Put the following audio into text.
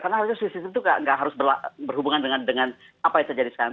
karena swift system itu tidak harus berhubungan dengan apa yang terjadi sekarang